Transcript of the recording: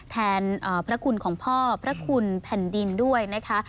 แทนพระคุณของพ่อพระคุณแผ่นดินด้วยนะคะ